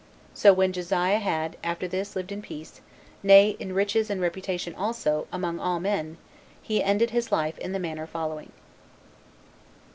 So when Josiah had after this lived in peace, nay, in riches and reputation also, among all men, he ended his life in the manner following.